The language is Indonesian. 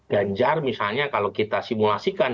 ganjar misalnya kalau kita simulasikan